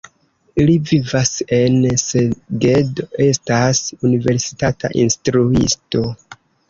Li vivas en Segedo, estas universitata instruisto.